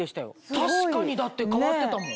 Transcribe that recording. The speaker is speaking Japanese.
確かに変わってたもん。